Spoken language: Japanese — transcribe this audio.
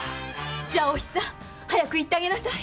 お久早く行ってあげなさい。